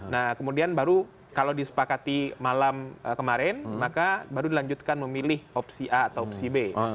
nah kemudian baru kalau disepakati malam kemarin maka baru dilanjutkan memilih opsi a atau opsi b